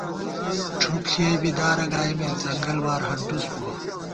ڄُھوپ ݪِیَئ بئ دارہ گائیمېت، ځنگل وال ہنٹُس بُوَہ